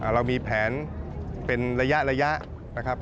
เรามีแผนเป็นระยะนะครับ